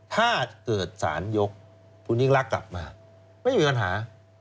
ถ้าเกิดสารยกคุณยิ่งรักกลับมาไม่มีปัญหา